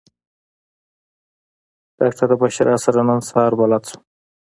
ډاکټره بشرا سره نن سهار بلد شوم.